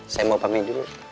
saya mau pamit dulu